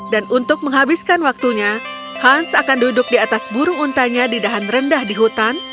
dan untuk menghabiskan waktunya hans akan duduk di atas burung untanya di dahan rendah di hutan